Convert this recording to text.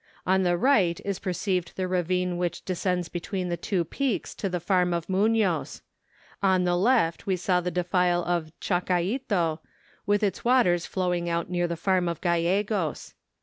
On the right is per¬ ceived the ravine which descends between the two peaks to the farm of Munoz; on the left we saw the defile of Chacaito, with its waters flowing out near the farm of Gallegos.